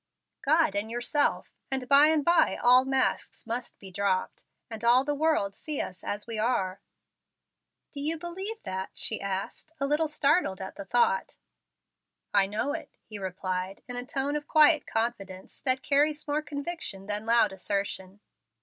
"God and yourself. And by and by all masks must be dropped, and all the world see us as we are." "Do you believe that?" she asked, a little startled at the thought. "I know it," he replied, in a tone of quiet confidence that carries more conviction than loud assertion.